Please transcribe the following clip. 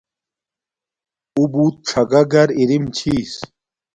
اُݸ بُݸت ڞَگݳ گَر اِرِم چھݵس.